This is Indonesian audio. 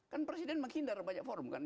kan presiden menghindar banyak forum kan